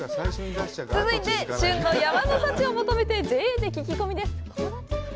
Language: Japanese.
続いて、旬の山の幸を求めてＪＡで聞き込みです。